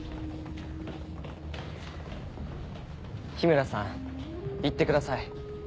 緋村さん行ってください。